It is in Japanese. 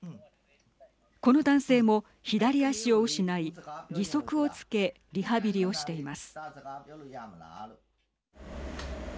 この男性も、左脚を失い義足をつけリハビリをしています。